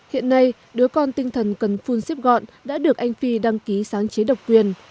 hiện nay đứa con tinh thần cần phun xếp gọn đã được anh phi đăng ký sáng chế độc quyền